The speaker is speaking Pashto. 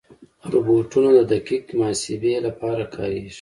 روبوټونه د دقیق محاسبې لپاره کارېږي.